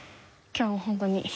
今日は本当に。